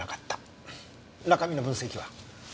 中身の分析は？